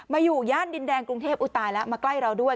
อยู่ย่านดินแดงกรุงเทพอุ๊ยตายแล้วมาใกล้เราด้วย